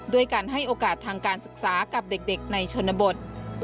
ด้วยการให้โอกาสทางการศึกษากับเด็กในชนบท